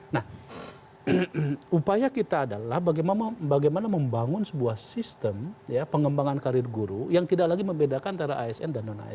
nah upaya kita adalah bagaimana membangun sebuah sistem pengembangan karir guru yang tidak lagi membedakan antara asn dan non asn